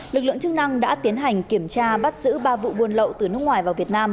lực lượng chức năng đã tiến hành kiểm tra bắt giữ ba vụ buôn lậu từ nước ngoài vào việt nam